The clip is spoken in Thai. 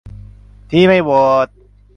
ที่ไม่โหวต